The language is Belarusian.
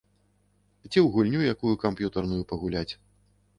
Ці ў гульню якую камп'ютарную пагуляць.